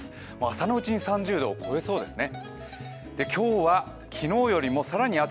朝のうちに３０度を超えそうですね。